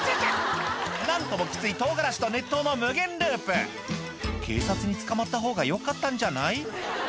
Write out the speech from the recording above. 何ともきついトウガラシと熱湯の無限ループ警察に捕まったほうがよかったんじゃない？